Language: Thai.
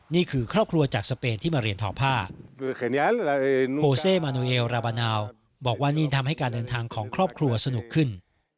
นี่คือครอบครัวจากสเปนที่มาเรียนทอผ้าโพเซมาโนเอลราบานาวบอกว่านี่ทำให้การเดินทางของครอบครัวสนุกขึ้น